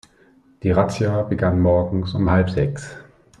Die Razzia begann morgens um halb sechs.